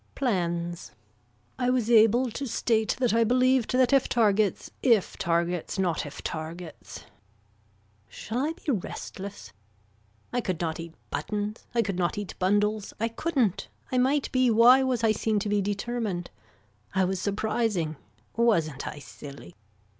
Plans. I was able to state that I believed that if targets if targets not if targets. Shall I be restless. I could not eat buttons. I could not eat bundles. I couldn't, I might be why was I seen to be determined. I was surprising. Wasn't I silly.